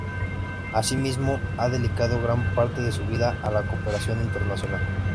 Así mismo, ha dedicado gran parte de su vida a la cooperación internacional.